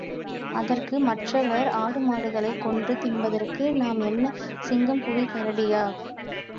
அதற்கு மற்றவர், ஆடுமாடுகளைக் கொன்று தின்பதற்கு நாம் என்ன சிங்கம் புலி கரடியா?